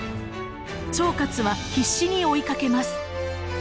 趙括は必死に追いかけます。